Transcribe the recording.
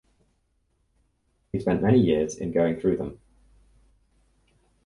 He spent many years in going through them.